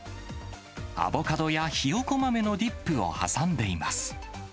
アボカドやひよこ豆のディップを挟んでいます。